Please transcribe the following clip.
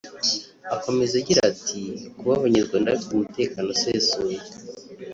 Akomeza agira ati “Kuba Abanyarwanda bafite umutekano usesuye